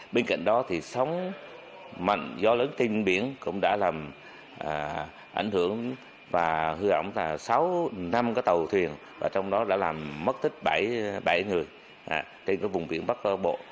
bên cạnh đó thì sóng mạnh do lớn tinh biển cũng đã làm ảnh hưởng và hư ẩm sáu năm cái tàu thuyền và trong đó đã làm mất tích bảy người trên cái vùng biển bắc bộ